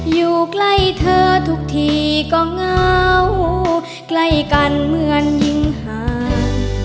อยู่ใกล้เธอทุกทีก็เหงาใกล้กันเหมือนหญิงห่าง